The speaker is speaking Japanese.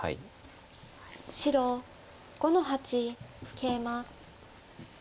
白５の八ケイマ。